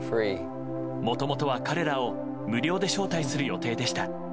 もともとは彼らを無料で招待する予定でした。